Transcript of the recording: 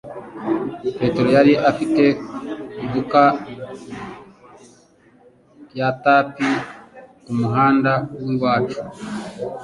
Petero yari afite iduka rya tapi kumuhanda wi wacu